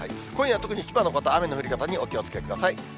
今夜は特に千葉の方、雨の降り方にお気をつけください。